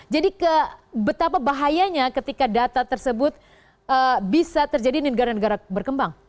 jadi betapa bahayanya ketika data tersebut bisa terjadi di negara negara berkembang